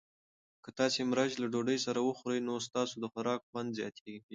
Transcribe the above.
که تاسي مرچ له ډوډۍ سره وخورئ نو ستاسو د خوراک خوند زیاتیږي.